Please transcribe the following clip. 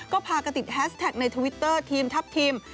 ก็พากันติดแฮสแท็กในทวิตเตอร์ทีมทัพทีม